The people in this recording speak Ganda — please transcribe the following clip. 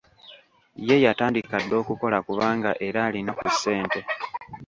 Ye yatandika dda okukola kubanga era alina ku ssente.